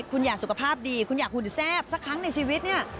คุณอยากสุขภาพดีคุณอยากหุ่นแซ่บสักครั้งในชีวิตเนี่ย